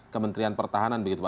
kementrian pertahanan begitu